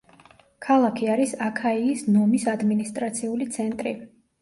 ქალაქი არის აქაიის ნომის ადმინისტრაციული ცენტრი.